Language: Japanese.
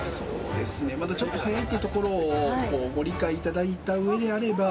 まだちょっと早いというところをご理解いただいた上であれば。